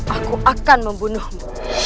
aku akan membunuhmu